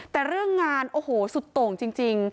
แต่เรื่องงานโอ้โหสุดโต่งจริง